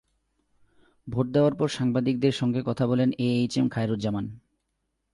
Vote দেওয়ার পর সাংবাদিকদের সঙ্গে কথা বলেন এ এইচ এম খায়রুজ্জামান।